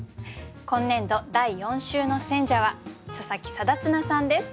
今年度第４週の選者は佐佐木定綱さんです。